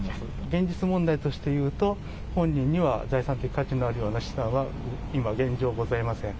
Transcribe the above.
現実問題としていうと、本人には財産的価値のあるような資産は今、現状ございません。